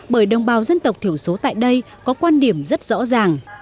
bởi đồng bào dân tộc thiểu số tại đây có quan điểm rất rõ ràng